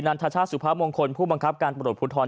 นันทชาสุพมงคลผู้บังคับการปรบปรดพุทธร